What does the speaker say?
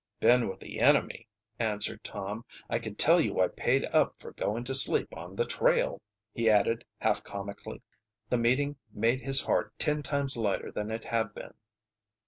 "Been with the enemy," answered Tom. "I can tell you I paid up for going to sleep on the trait!" he added half comically. The meeting made his heart ten times lighter than it had been.